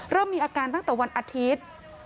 เริ่มมีอาการตั้งแต่วันอาทิตย์